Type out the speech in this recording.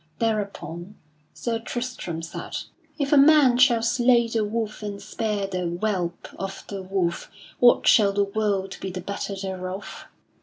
Thereupon Sir Tristram said: "If a man shall slay the wolf and spare the whelp of the wolf, what shall the world be the better therefor?"